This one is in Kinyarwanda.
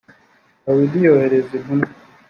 dawidi yohereza intumwa